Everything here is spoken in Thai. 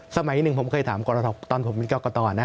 สมัยหนึ่งผมเคยถามกรทตอนผมเป็นกรกตนะ